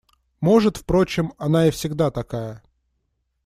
Может, впрочем, она и всегда такая.